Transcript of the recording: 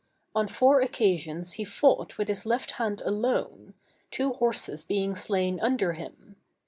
On four occasions he fought with his left hand alone, two horses being slain under him.